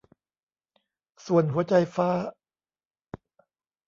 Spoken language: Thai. ส่วนหัวใจฟ้า